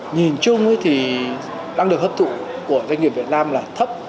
nhìn chung thì năng lực hấp thụ của doanh nghiệp việt nam là thấp